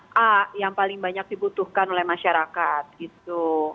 dan juga ada jenis tertentu itu a yang paling banyak dibutuhkan oleh masyarakat gitu